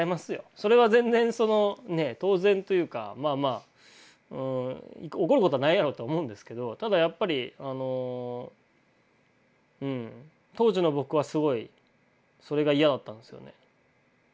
それは全然そのね当然というかまあまあ怒ることないやろと思うんですけどただやっぱり当時の僕はすごいそれが嫌だったんですよね。